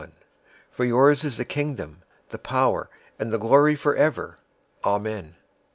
Amen.{NU omits "For yours is the Kingdom, the power, and the glory forever. Amen."